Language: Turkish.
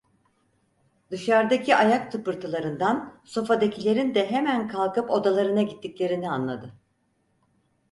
Dışardaki ayak tıpırtılarından sofadakilerin de hemen kalkıp odalarına gittiklerini anladı.